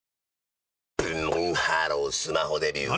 ブンブンハロースマホデビュー！